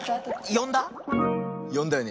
よんだよね？